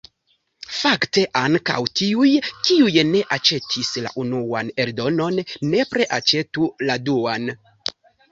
Fakte ankaŭ tiuj, kiuj ne aĉetis la unuan eldonon, nepre aĉetu la duan.